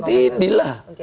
ya memang tidak